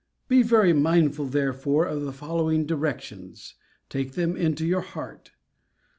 Be very mindful, therefore, of the following directions; take them into your heart.